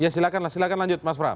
silahkan lanjut mas pram